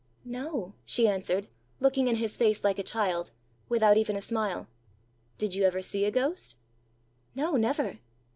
"No," she answered, looking in his face like a child without even a smile. "Did you ever see a ghost?" "No, never."